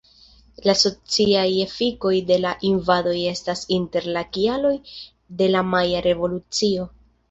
La sociaj efikoj de la invadoj estas inter la kialoj de la Maja Revolucio.